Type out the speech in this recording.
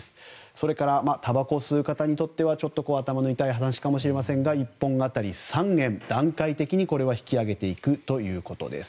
それから、たばこを吸う方にとってはちょっと頭の痛い話かもしれませんが１本当たり３円、段階的に引き上げていくということです。